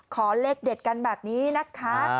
ขอเลขเด็ดกันแบบนี้นะคะ